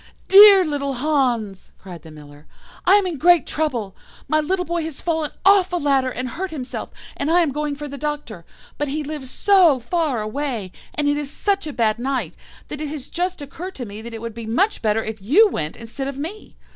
"'Dear little Hans,' cried the Miller, 'I am in great trouble. My little boy has fallen off a ladder and hurt himself, and I am going for the Doctor. But he lives so far away, and it is such a bad night, that it has just occurred to me that it would be much better if you went instead of me.